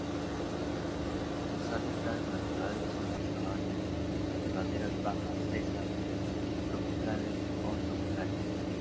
Sus hábitats naturales son las sabanas y las praderas bajas secas subtropicales o tropicales.